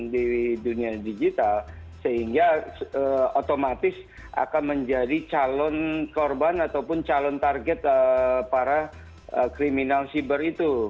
di dunia digital sehingga otomatis akan menjadi calon korban ataupun calon target para kriminal cyber itu